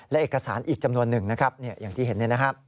และเอกสารอีกจำนวนหนึ่งนะครับอย่างที่เห็น